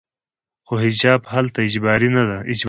خو حجاب هلته اجباري دی.